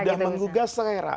sudah menggugah selera